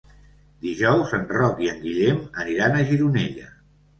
Dijous en Roc i en Guillem aniran a Gironella.